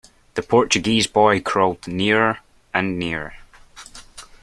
The Portuguese boy crawled nearer and nearer.